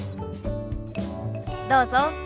どうぞ。